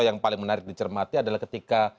yang paling menarik dicermati adalah ketika